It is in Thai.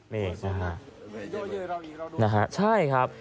นี่นะฮะใช่ครับ